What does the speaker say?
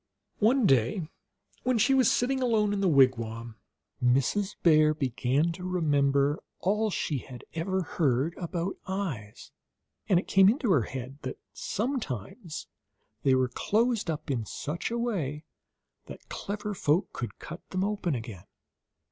One day, when she was sitting alone in the wigwam, Mrs. Bear began to remember all she had ever heard about eyes, and it came into her head that sometimes they were closed up in such a way that clever folk could cut them open again.